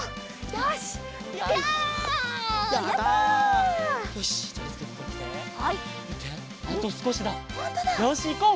よしいこう！